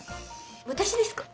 私ですか？